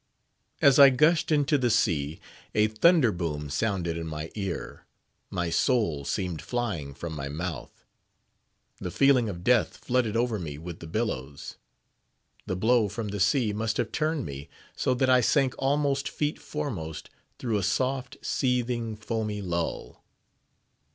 As I gushed into the sea, a thunder boom sounded in my ear; my soul seemed flying from my mouth. The feeling of death flooded over me with the billows. The blow from the sea must have turned me, so that I sank almost feet foremost through a soft, seething foamy lull.